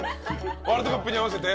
ワールドカップに合わせて？